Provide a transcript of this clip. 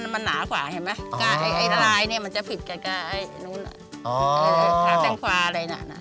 มันหนากว่าเห็นไหมไลน์มันจะผิดกับไอ้นู้นคลักแสงควาอะไรนะ